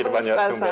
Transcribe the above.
punya khusus pasarnya